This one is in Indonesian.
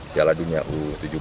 piala dunia u tujuh belas